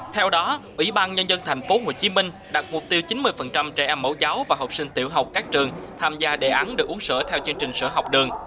theo đó ủy ban nhân dân thành phố hồ chí minh đặt mục tiêu chín mươi trẻ em mẫu giáo và học sinh tiểu học các trường tham gia đề án được uống sữa theo chương trình sữa học đường